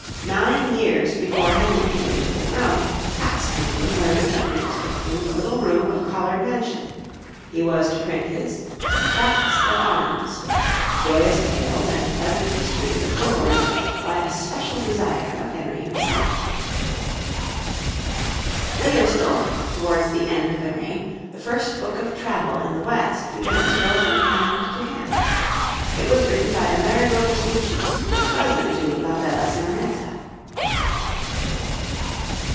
Nine years before Henry came to the throne Caxton was learning to print in the little room of Collard Mansion he was to print his 'Facts of Arms,' joyous tales and pleasant histories of chivalry, by especial desire of Henry himself. Later still, towards the end of the reign, the first book of travel in the West began to go from hand to hand it was written by Amerigo Vespucci, cousin to La Bella Simonetta.